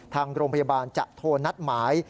ทางโรงพยาบาลจะโทรนัดหมาย